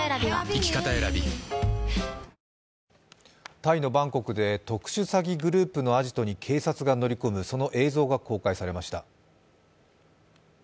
タイのバンコクで特殊詐欺グループのアジトに警察が乗り込む、その映像が公開されました。